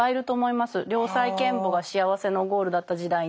良妻賢母が幸せのゴールだった時代に。